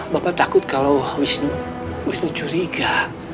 bapak takut kalau wisnu curiga